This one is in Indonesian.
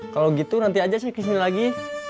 kalau gitu nanti aja saya kismily lagi